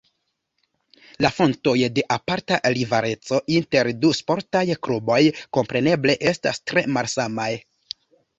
La fontoj de aparta rivaleco inter du sportaj kluboj kompreneble estas tre malsamaj.